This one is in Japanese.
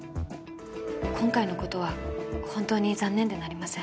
今回のことは本当に残念でなりません。